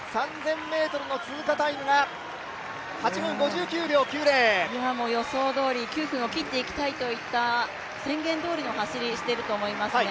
３０００ｍの通過タイムが８分５９秒９０。予想どおり９分を切っていきたいと言った宣言どおりの走りをしていると思いますね。